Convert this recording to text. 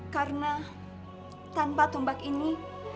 karena tanpa tombak ini